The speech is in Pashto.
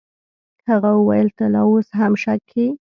هغه وويل ته لا اوس هم شک کيې.